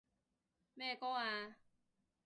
咩歌啊？